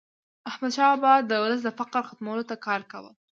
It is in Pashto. احمدشاه بابا به د ولس د فقر ختمولو ته کار کاوه.